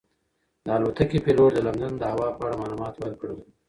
د الوتکې پېلوټ د لندن د هوا په اړه معلومات ورکړل.